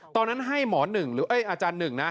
ตอนนั้นให้หมอหนึ่งหรืออาจารย์หนึ่งนะ